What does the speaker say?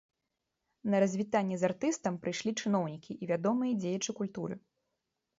На развітанне з артыстам прыйшлі чыноўнікі і вядомыя дзеячы культуры.